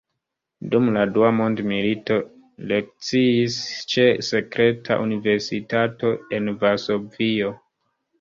Dum la dua mondmilito lekciis ĉe sekreta universitato en Varsovio.